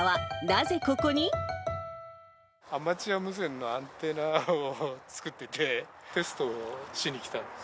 アマチュア無線のアンテナを作ってて、テストをしに来たんです。